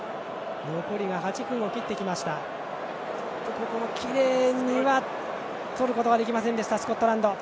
ここもきれいにとることができませんスコットランド。